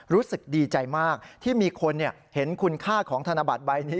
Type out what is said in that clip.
รู้สึกดีใจมากที่มีคนเห็นคุณค่าของธนบัตรใบนี้